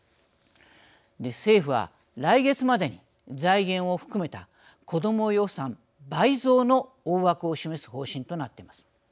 政府は来月までに財源を含めたこども予算倍増の大枠を示す方針となっています。